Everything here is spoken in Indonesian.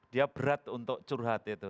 dia berat untuk curhat itu